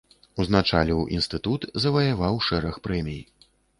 Узначаліў інстытут, заваяваў шэраг прэмій.